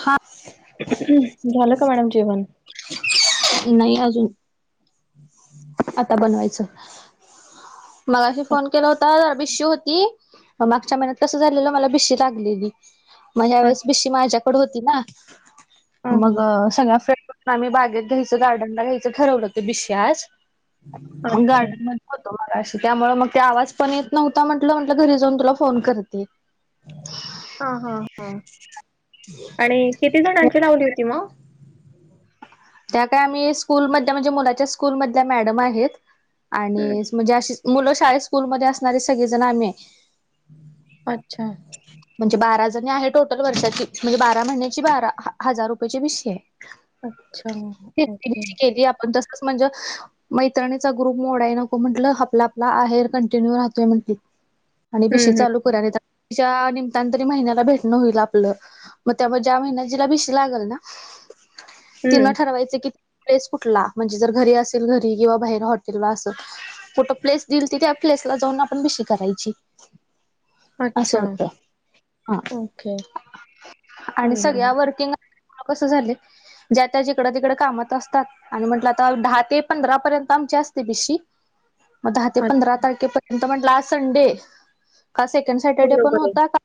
हात. झाल का मॅडम जीवन. नाही अजून हम्. आता बनवायचं मलाशी फोन केला होता रबीशू होती. मागच्या महिन्यात कस झालेलं मला बिशी लागलेली मग ह्या अ वेळेस बिशी माझ्या. होती ना ह मग सगळ्या फ्रें आम्ही बागेत घ्यायचं गार्डनला घ्यायचं ठरवलं ते बिशस अच्छा गार्डन होत म अशी त्यामुळे मग ते आवाज पण येत नव्हता म्हटलं म्हंटलं घरी जाऊन तुला फोन करते. हा हा हा आणि किती जणांची लावली होती मग. त्या काळी आम्ही स्कूल मधल्या म्हणजे मुलाच्या स्कूलमधल्या मॅडम आहेत हम्म आणि म्हणजे अशी मुलं शाळेेत स्कूलमध्येध्ये असणारे सगळेजण आम्ही अच्छा. म्हणजे बारा जणी आहे टोटल वर्षाची म्हणजे बारा महिन्याची बारा हजार रुपयाेची भिशी आहे. अच्छा ओके. जसच म्हणजे मैत्रिणीचा ग्रुप मोडा आहे नको म्हटलं आपला आपला आहेर कंटिन्यू राहतोय म्हटली. आणि हम्म बीशी हम्म चालू करा आणि तिच्या निमतान तरी महिन्याला भेटणं होईल आपलं. मग त्यामुळे ज्या महिन्यात जिला भीशी लागल ना तिनं हम्म ठरवायचं कि प्लेस कुठला म्हणजे जर घरी असेल घरी किंवा बाहेर हॉटेलला असल. फोटो प्लेस दिईल ती त्या प्लेस ला जाऊन आपण बीशी करायची. असं अच्छा होतं हा ओके आणि हम्म हम्म सगळ्या वर्किंग हव कसं झाले ज्या त्या जिकड तिकडं कामात असतात. आणि म्हटलं आता दहा ते पंधरा पर्यंत आमची असते भिशी मग दहा ते अ पंधरा तारखेपर्यंत म्हटलं संडे का सेकंड सॅटर्डे पण बरोबर आहे. होता का?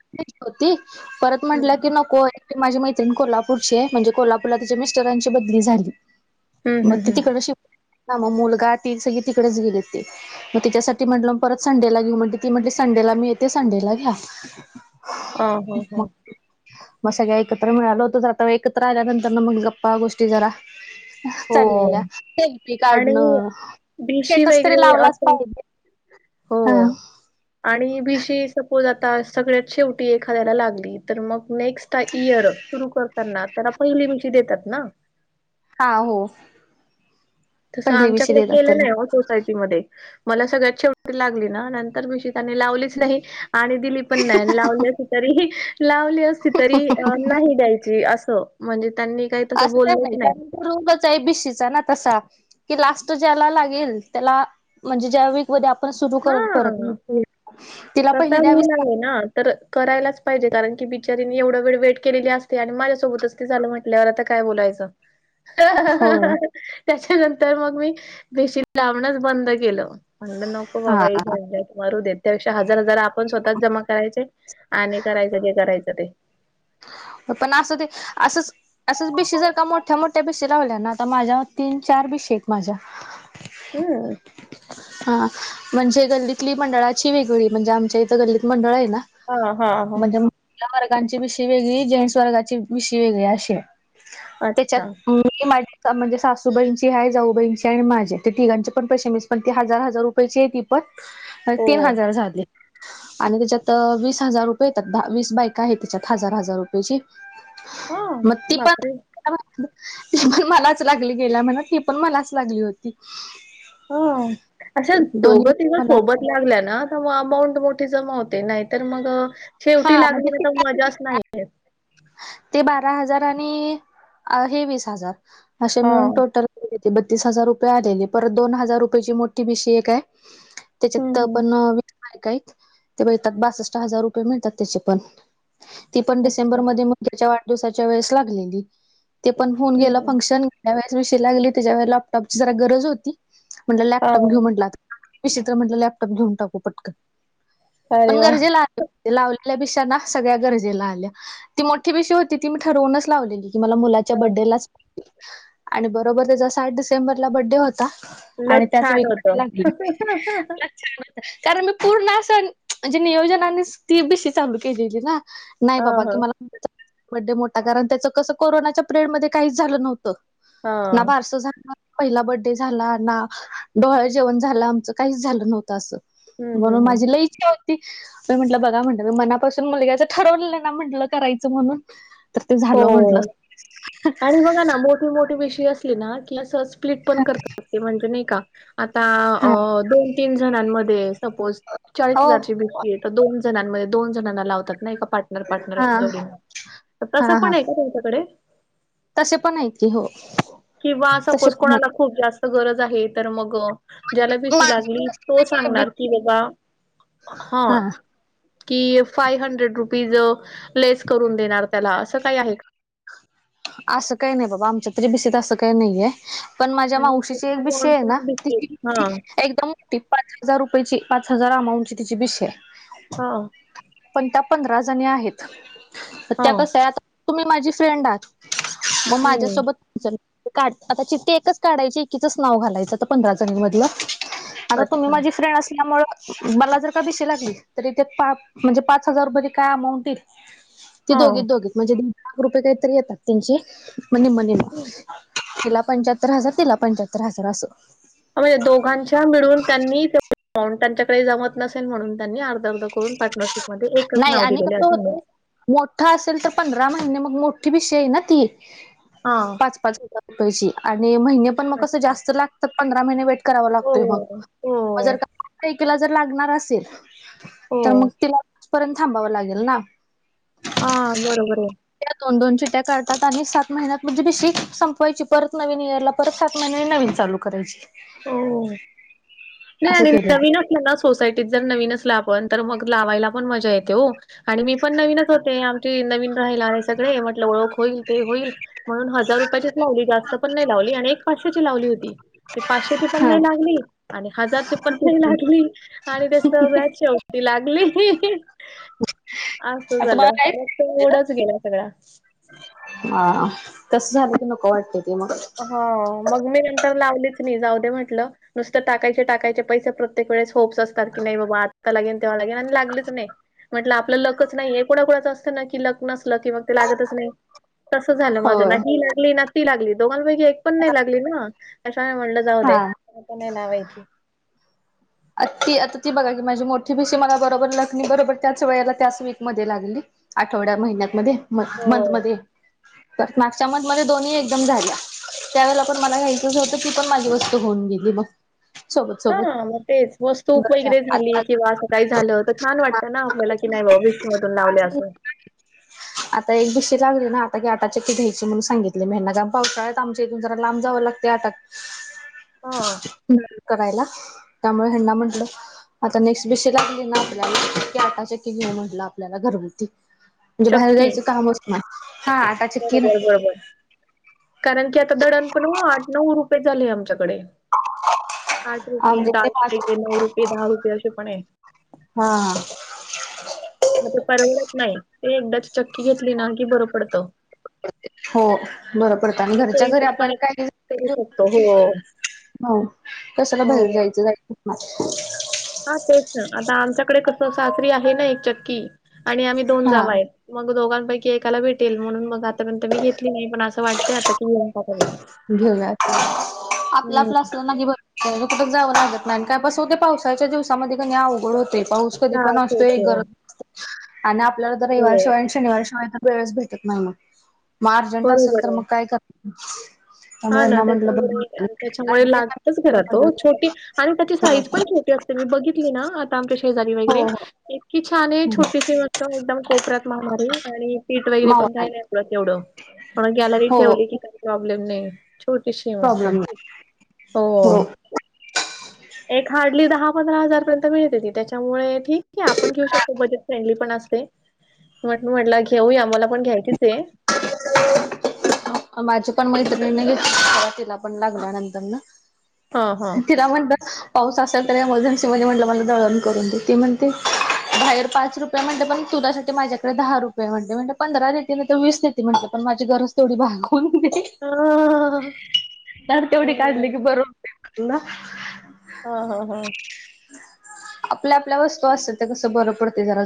होती परत हम्म म्हटलं की नको. माझी मैत्रिणी कोल्हापूरची आहे म्हणजे कोल्हापूरला त्याच्या मिस्टरांची बदली झाली. हम्म मग हम्म ते हम्म. तिकड श ना मग मुलगा ते सगळे तिकडेच गेले ते. मग त्याच्यासाठी म्हटलं मग परत संडेला घेऊ म्ह ती म्हटली संडेला मीेत. ते संडेला घ्या अ हो हो मग सगळ्या एकत्र मिळालं होत तरता एकत्र आल्यानंतर ना मग गप्पा गोष्टी जरा. चाललेल्या हो सेल्फी आणि काढणं भिशी स्टेटस तरी वगैरे लावलाच असं पाहिजे. [inaudible] हो. आणि भीशी सपोज आता सगळ्यात शेवटी एखाद्याला लागली तर मग नेक्स्ट इयर. सुरू करताना त्याना पहिली भीशी देतात ना. हा हो. तसं पहिली बिशी आमच्याकडे देतात केले त्याला नाही हो सोसायटी मध्ये मला सगळ्यात शेवटी लागली ना नंतर भिशी त्यानी लावलीच नाही. आणि दिली पण नाही लावली असती तरी लावली असती तरी नाही द्यायची. अस म्हणजे त्यांनी. काही तसं असं काय बोललंच नाही कारण तो रोंगच आहे बिशीचा ना तसा. कि लास्ट ज्याला लागेल त्याला म्हणजे ज्या व ण सुर हां. करतत तिला तसा पहिली द्यावी गुण लागते. आहे ना तर करायलाच पाहिजे कारण की बिचारीनी एवढा वेळ वेट केलेली असते आणि माझ्यासोबतच झाल म्हटल्यावर आता काय बोलायचं. होय त्याच्यानंतर मग मी भीशी लांवणंच बंद केलं. म्हटलं न हा मरू द त्यापेक्षा हजार हजार आपण स्वतःत जमा करायचे आणि करायचं क करायचं ते पण असं ते असंच असंच भिशी जर का मोठ्या मोठ्या त्या भिशी लावल्या ना आता माझ्या तीन चार भिशी आहेत माझ्या. हम्. हा म्हणजे गल्लीतली मंडळाची वेगळी म्हणजे आमच्या इथं गल्लीत मंडळ आहे ना. हा हा हा. म्हणजे महिला वर्गाची भिषी वेगळी जें्स वर्गाची विषी वेगळी अे त्याच्यात. अच्छा माझ म्हणजे सासूबाईंची आहे जाऊबाईंची आणि माझे ते तिघांची पण पैश शेमीस पण. हजार हजार रुपयाची आहे ती पण हो तीन हजार झाले. आणि त्याच्यात वीस हजार रुपये येतात द वीस बायक आहे त्याच्यात हजार हजार रुपयेची. हा मग ती प बापरे त पण मलाच लागली गेल्या म्हणा ती पण मलाच लागली होती. हो अशा दोन्ही दोघं तिघं सोबत लागल्या ना. ंट मोठी जमावते नाही तर मग शेवटी हा लागली ना तर म्हणजे मजाच नाही. ते बारा हजार आणि हे वीस हजार असे हा मिळून टोटल. बत्तीस हजार रुपये आलेली परत दोन हजार रुपयाची मोठी भीशी एक आहे. त्याच्यात हम्म तर हम्म पण व का ते बघेतात बासष्ट हजार रुपये मिळतात त्याचे पण ती पण अच्छा डिसेंबर मध्ये त्याच्या वाढदिवसाच्या वेळेस लागलेली. ते पण फोन हम्म गेला हम्म. फंक्शन घेल्या वळेस विषय लागले त्याच्या वेळे लॅपटॉपची ज गरज होती. म्हट हा लॅपटॉप घेऊ म्हटलं आ विचित्र म्हटलं लॅपटॉप घेऊन टाकू पटक. पण अरे वा गरजेला आ लावलेल्या पिशाना सगळ्या गरजेला आल्या. ती मोठी पेशी होतीी मी ठरवूनच लावलेली की मला मुलाच्या बड्डेलाच. आणि बरोबर त्याचा साठ डिसेंबरला बड्डे होता. लक आणि त्याच छान वेग होत लाग कारण मी पूर्ण असंजे नियोजनाने ती बीशीी चालू केलेली ना. नाही ह बाबा ह. की मला मोठा कारण त्याच कसं कोरोनाच्या पिरियड मध्ये काहीच झालं नव्हतं. हा ना हम्म बारसं झा पहिला बर्डे झाला ना डोळ जेवण झालं आमचं काहीच झालं नव्हत. तसं म्हणून हम्म हम्म माझी लय इच्छा त मी म्हटलं बघा म्हण मी मनापासून मुलगाचं ठरवलं ना म्हटलं करायचं म्हणून. तर ते हो झालं म्हटलं आणि बघा ना मोठ. मोठ भिषिय असले ना की असं स्प्लिट पण करत म्हणजे नाही का? आता अ हा दोन तीन जणांमध्ये सपोज चाळीस हो हजारची बी. तर दोन जणांमध्ये दोन जणांना लावतात ना एका पार्टनर पार्टनर हा अ जोड. तसं हा हा पण आहे का तुमच्याकडे. तसे पण आहेतत की हो. किंवा तसे सपोज पण आहेत कोणाला खूप जास्त गरज आहे तर मग? ज्याला पिशी माझी लागली पण तशी तो नाहीये सांगणार की भीती बाबा हा. की फाइव हंड्रेड रुपीज लेस करून देणार त्याला असं काही आहे. असं काही नाही बाबा आमच्या तरी बिसीत असं काही नाहीये. पण माझ्या मावशीची एक विषय आहे ना म्हणजे ति हा एकदम. पाच हजार रुपयाची पाच हजार अमाऊंट ची तिची बष आहे. हा. पण त्या पंधरा जणी आहेत हा त्या कस आता तुम्ही माझी फ्रेंड आहात. मग हम्म माझ्यासोबत. काढ आता चित्ती एकच काढायची एकीचच नाव घालायचं आता पंधरा जण मधलं. आ गं तुम्ही अच्छा माझी फ्रेंड असल्यामुळ मला जर का बिशी लागली तरी ते पा म्हणजे पाच हजार रूपये काय अमाऊंट ईत ती हा दोघी दोघी म्हणजे दीन लाख रुपये काहीतरी येतात त्यांचे मने मने ना हम्म. तिला पंचाहत्तर हजार तिला पंचाहत्तर हजार अस. आवे दोघांच्या मिळून त्यांनी माउंट त्यांच्याकडे जमत नसेल म्हणून त्यांनी अर्ध अर्ध करून पार्टनरशिपमध्ये एकच नाही नाव आणि दिलेलं कसं असं म्हण. होतंय मोठा असेल तर पंधरा महिने मग मोठी विषय आहे ना ती हा पाच पाच हजार रुपची आणि म पण म क अच्छा जास्त लागत पंध महिने भेटत करावा हो लागतोय मग. मग हो जर का तीला जर लागणार असेल, हो तर मग तिला पर्यंत थांबावं लागेल ना. आ.. बरोबर वै त्या दोन दोन चिट्ट्या काढतात आणि सात महिन्यात म्हणजे बेशी संपवायची परत नवीन इयरला परसात म्हने नवीन चालू करायची हो, नाही असं आणि केलं नवीन या सोसायटीत जर नवीन असलं आपण, तर मग लावायला पण मजा येते हो. आणि मी पण नवीनच होते आमची नवीन राहील आणि सगळे म्हटलं ओळख होईल ते होईल म्हणून हजार रुपयाचीच लावली जास्त पण नाही लावली आणि एक पाचशेची लावली होती. ते पाचशेची पण हा. नाही लागली. आणि हजारची पण नाही लागली. आणि ते सगळ्यात शेवटी ती लागली. अस झाल. तुम्हाला मग त मूडच गेला. सगळा हां हां. तस झालं क नको वाटत ते मग! हा मग मी नंतर लावलीच नाही. जाऊ दे म्हटल. नुसतं टाकायचे टाकायचे पैसे प्रत्येक वेळेस होप्स असतात की, नाही बाबा आत्ता लागेन, तेव्हा लागेन आणि लागलीच नाही. म्हटलं आपलं लकच नाही. हे कोणाकुणाचं असतं ना की लक नसलं की मग ते लागतच नाही. तसं झालं माझं. होय नाही लागली ना ती लागली दोघांपैकी एक पण नाही लागली ना. कसं हाय म्हटलं जाऊ दे. हा. परत नाही लावायची. आ ती आता ती बघा की माझी मोठी भीशी मला बरोबर लकनी बरोबर त्याच वेळेला त्याच वीक मध्ये लागली. आठवड्या महिन्यामध्ये मंथ हो. मध्ये मागच्या मंथ मध्ये दोन्ही एकदम झाल्या. त्यावेळेला पण मला घ्यायचंच होत ती पण माझी वस्तू होऊन गेली बघ सोबत सोबत! हां, मग तेच वतूक बरं वगैरे झाली आता किंवा असं काही झालं तर छान वाटतं ना आपल्याला की नाही बा विषमधून लावले असं आता एक भिशी लागली ना आता आटा चक्की घ्यायची म्हणून सांगितले मी ह्यांना, कारण पावसाळ्यात आमच्या इथून जरा लांब जाव लागं त्याता [inaudible] करायला त्यामुळे हंणा म्हंटलं आता नेक्स्ट भिशी लागली ना आपल्याला की आटा चक्की घेऊ म्हटलं आपल्याला घरगुती. म्हणजे बाहेर चक्की. जायच कामच नाय. हा चक्की ना बरोबर बरोबर कारण की आता दळण पण हो आठ, नऊ रुपये झाले आमच्याकडे. आठ रुपये आमच्या इकडे दहाशे पाच नऊ रुपये दहा रुपये असे पण आहे. हा, मग ते परवडत नाही. ते एकदा चक्की घेतली ना की बरं पडतं. हो बरं पडत आणि आपल्या घरच्या घरी सोयीप्रमाणे आपल्याला काय करू का शकतो हो हो कशाला बाहेर हो. जायचं जायचं माहिती. हा तेच ना आता आमच्याकडे कसं सासरी आहे ना एक चक्की आणि आम्ही दोन हा जावा आहेत. मग दोघांपैकी एकाला भेटेल. म्हणून मग आतापर्यंत मी घेतली नाही. पण असं वाटते आता की टाकावी. घेऊयात, आपला हम्म आपला कुठ जाव लागत नाही. आणि काय बस होते पावसाच्या दिवसामध्ये कनी अवघड होते पाऊस. कधी पण त्रास असतो एक होतो गरज आणि आपल्याला हो रविवार शिवाय शनिवार शिवाय तर वेळचं भेटत नाही मगं मग अर्जंट असेल बरोबर तर मग आहे. काय कर हा त्यामुळे ना यांना म्हटलं त्याच्यामुळे म्हटलं त्याच्यामुळे लागतच घरा तो छोटी आणि त्याची हो साईज पण छोटी असते. मी बघितली ना आता आमच्या शेजारी हो वगैरे हो इतकी छान आहे छोटीशी वस्तो एकदम कोपऱ्यात मावणारी आणि पीठ वगैरे पण मावणार का नाही पडत तेवढं थोड गॅलरीत हो हो ठेवली की काही प्रॉब्लेम नाही. छोटीशीी मस्त प्रॉब्लेम नाही हो एक हार्डली दहा पंधरा हजार पर्यंत मिळते ती त्याच्यामुळे ठीक आहे आपण घेऊ शकतो खूप बजेट फ्रेंडली पण असते म्हट म्हटला घेऊ आम्हाला पण घ्यायचीच आहे. [unintelligible] [inaudible] माझ्यापण मैत्रिणीनं घेतलेला तवा तिलापण लागल्यानंतरनं. हा हा तिला म्हणलं पाऊस असेल तर एमर्जन्सी मध्ये म्हटलं मला दळण करून देते म्हणते बाहेर पाच रुपये त म्हण पण तुझ्यासाठी माझ्याकडे दहा रुपये म्हणते म्हण पंधरा तर वीस नाही ते म्हटलं पण माझी गरज थोडी भागव. फोन घेते, हा धार तेवढी काढली बरोबर की बरं होतंय. ह ना ह ह हा आपल्या आपल्या वस्तू असतीलल तर कसं बरं पडते जरा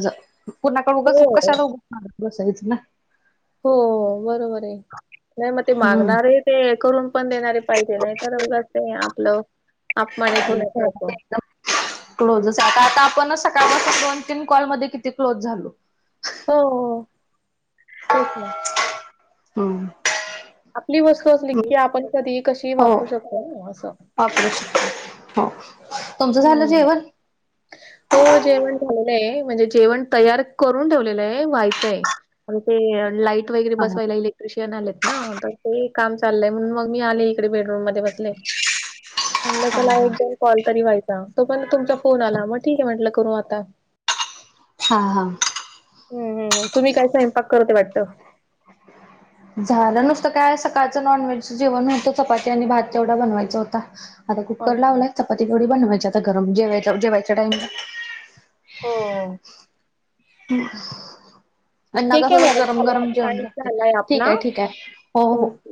पुणाकड उगं चक हो कशाला उगंच मार बायच ना हो बरोबर आहे नाही मग ते हम्म मागणार आहे ते करून पण देणारे पाहिजे नाही तरस आपलं अपमानित होण्यासारखं अछा क्लोजच आता आता आपण सकाळ दोन तीन कॉल मध्ये किती क्लोज झालो हो हो तेच ना होम आपली वस्तू असली की आपण कधी कशी वापरू शकतो असं परेश हो तुमचं झालं हम्म जेवण हो जेवण झालेलं आहे म्हणजे जेवण तयार करून ठेवलेलं आहे व्हायचंय म्ह ते लाईट वगैरे हा बसवायला क्रुशियन आलेत ना तर ते काम चाललंय म्हून मग मी आले इकडे बेडरूम मध्ये बसले म्हटलं हा चला हा एकदोन कॉल तरी व्हायचा तो पण तुमचा फोन आला मग ठीक आहे म्हटलं करू आता हा हां हम् हम्म तुम्ही काय स्वयंक करत ते वाटतं? झालं नुसतं काय सकाळचं नॉनव्हेजच जेवण होतं चपाती आणि भात तेवढा बनवायच होता. आता हो कुकर लावलाय चपाती तेथोडी बनवायची आता गरम जेवायच्या जेवायच्या टाईमला हो हम यांना ठीक कस आहे मॅडम गरम झाला गरम जेवण टाईम लागते झालाय ठीक आपला आहे ठीक आहे हो हो ओके.